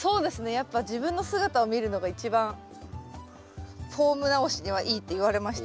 やっぱ自分の姿を見るのが一番フォーム直しにはいいって言われました。